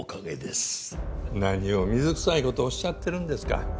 何を水臭い事をおっしゃってるんですか。